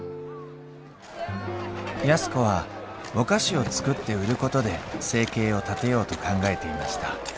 安子はお菓子を作って売ることで生計を立てようと考えていました。